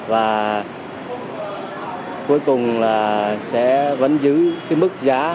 và cuối cùng là sẽ vẫn giữ